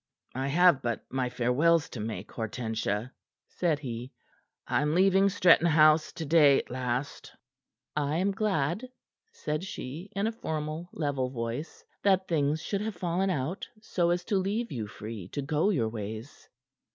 "I have but my farewells to make, Hortensia," said he. "I am leaving Stretton House, to day, at last." "I am glad," said she, in a formal, level voice, "that things should have fallen out so as to leave you free to go your ways."